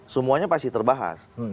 semuanya pasti terbahas